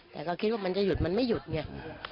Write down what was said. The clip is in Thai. แต่ก็คิดว่ามันจะหยุดมันไม่หยุดไง